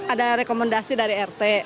ada rekomendasi dari rt